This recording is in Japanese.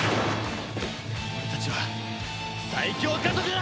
俺たちは最強家族だ！